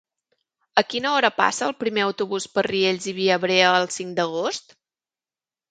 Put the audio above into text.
A quina hora passa el primer autobús per Riells i Viabrea el cinc d'agost?